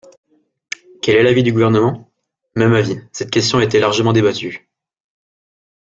Quel est l’avis du Gouvernement ? Même avis, cette question a été largement débattue.